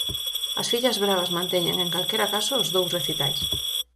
As Fillas Bravas manteñen, en calquera caso, os dous recitais.